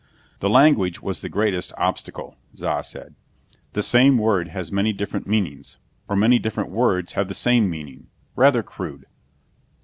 "The language was the greatest obstacle," Za said. "The same word has many different meanings, or many different words have the same meaning. Rather crude."